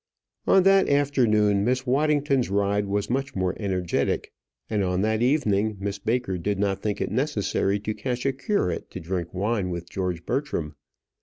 On that afternoon Miss Waddington's ride was much more energetic, and on that evening Miss Baker did not think it necessary to catch a curate to drink wine with George Bertram.